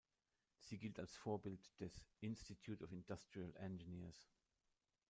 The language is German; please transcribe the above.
Sie gilt als Vorbild des "Institute of Industrial Engineers".